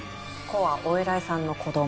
「コ」はお偉いさんの子供。